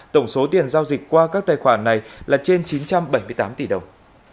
tổng số tiền giao dịch qua các tài khoản này là trên chín trăm bảy mươi tám tỷ đồng